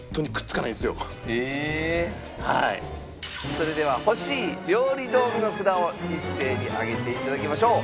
それでは欲しい料理道具の札を一斉に上げていただきましょう。